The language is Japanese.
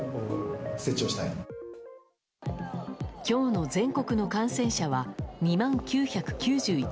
今日の全国の感染者は２万９９１人。